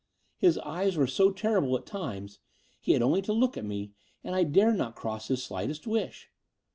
His eyes were so terrible at times; he had only to look at me, and I dared not cross his slightest wish.